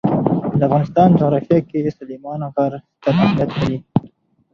د افغانستان جغرافیه کې سلیمان غر ستر اهمیت لري.